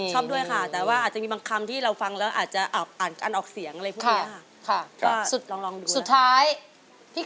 ชอบด้วยค่ะแต่ว่าอาจจะมีบางคำที่เราฟังแล้วอาจจะอ่านการออกเสียงอะไรพวกนี้ค่ะ